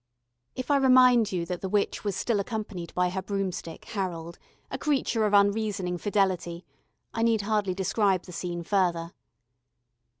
If I remind you that the witch was still accompanied by her broomstick, Harold, a creature of unreasoning fidelity, I need hardly describe the scene further.